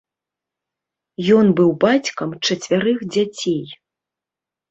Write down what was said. Ён быў бацькам чацвярых дзяцей.